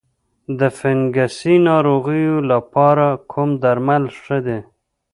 د فنګسي ناروغیو لپاره کوم درمل ښه دي؟